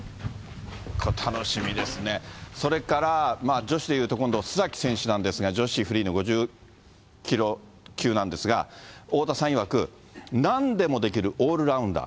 それから女子でいうと、今度須崎選手なんですが、女子フリーの５０キロ級なんですが、太田さんいわく、なんでもできるオールラウンダー。